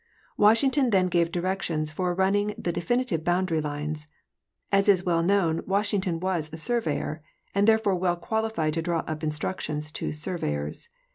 Washington then gave directions for running the de finitive boundary lines. As is well known, Washington was a surveyor, and therefore well qualified to draw up instructions to surveyors.